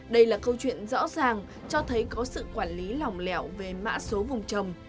đây là câu chuyện rõ ràng cho thấy có sự quản lý lòng lẻo về mã số vùng trồng